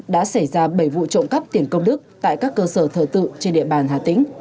đã xảy ra bảy vụ trộm cắp tiền công đức tại các cơ sở thờ tự trên địa bàn hà tĩnh